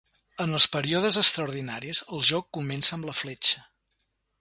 En els períodes extraordinaris, el joc comença amb la fletxa.